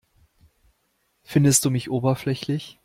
Findest du mich oberflächlich?